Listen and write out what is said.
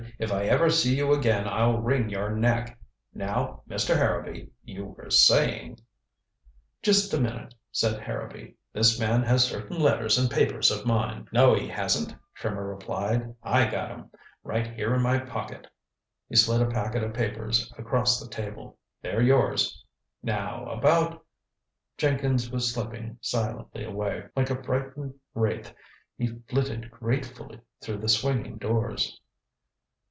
"If I ever see you again I'll wring your neck. Now, Mr. Harrowby, you were saying " "Just a minute," said Harrowby. "This man has certain letters and papers of mine " "No, he hasn't," Trimmer replied. "I got 'em. Right here in my pocket." He slid a packet of papers across the table. "They're yours. Now, about " Jenkins was slipping silently away. Like a frightened wraith he flitted gratefully through the swinging doors.